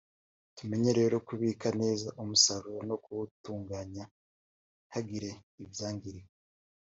tumenye rero kubika neza umusaruro no kuwutunganya ntihagire ibyangirika”